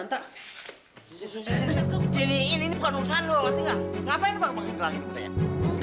ini bukan urusan lo ngerti nggak ngapain lo pake gelang ini